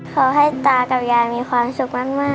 ขอให้ตากับยายมีความสุขมากน่า